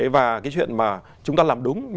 và cái chuyện mà chúng ta làm đúng